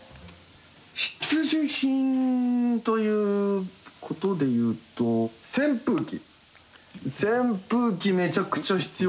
必需品ということでいうと扇風機。